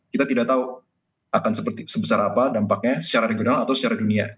kita tidak tahu akan sebesar apa dampaknya secara regional atau secara dunia